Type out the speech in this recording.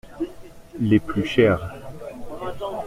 Les plus chers.